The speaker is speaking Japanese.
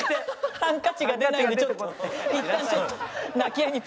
ハンカチが出ないんでちょっといったんちょっと。